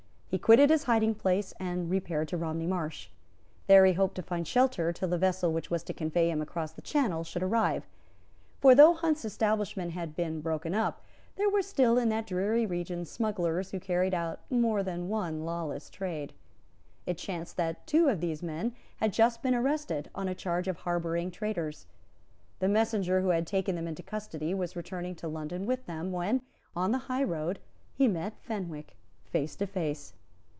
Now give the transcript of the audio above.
He quitted his hiding place, and repaired to Romney Marsh. There he hoped to find shelter till the vessel which was to convey him across the Channel should arrive. For, though Hunt's establishment had been broken up, there were still in that dreary region smugglers who carried on more than one lawless trade. It chanced that two of these men had just been arrested on a charge of harbouring traitors. The messenger who had taken them into custody was returning to London with them, when, on the high road, he met Fenwick face to face.